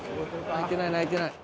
泣いてない泣いてない。